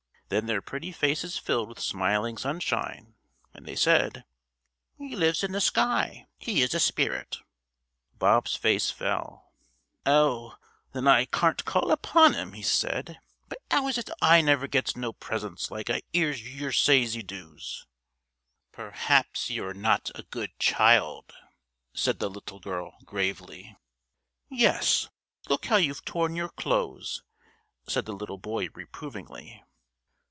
Then their pretty faces filled with smiling sunshine, and they said: "He lives in the sky. He is a spirit." Bob's face fell. "Oh, then I carn't call upon 'im," he said. "But 'ow is it I never gets no presents like I 'ears yer say you does?" "Perhaps you are not a good child," said the little girl gravely. "Yes, look how you've torn your clothes," said the little boy reprovingly.